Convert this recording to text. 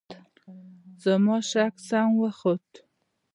زما شک سم وخوت .